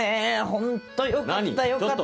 ホントよかったよかった。